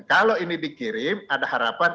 kalau ini dikirim ada harapan